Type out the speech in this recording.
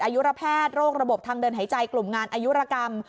อายุระแพทย์โรคระบบทางเดินหายใจกลุ่มงานอายุรกรรม